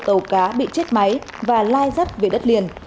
tàu cá bị chết máy và lai rắt về đất liền